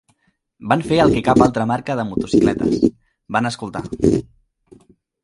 Van fer el que cap altra marca de motocicletes; van escoltar.